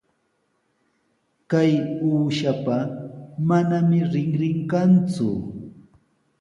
Kay uushapa manami rinrin kanku.